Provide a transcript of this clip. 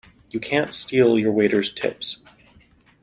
You can't steal your waiters' tips!